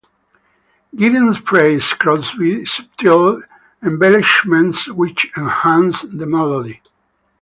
Giddins praises Crosby's subtle embellishments, which enhance the melody.